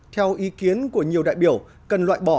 theo ý kiến của nhiều đại biểu cần loại bỏ